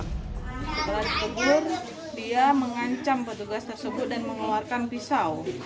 sebelah di tegur dia mengancam petugas tersebut dan mengeluarkan pisau